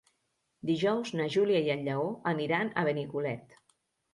Dijous na Júlia i en Lleó aniran a Benicolet.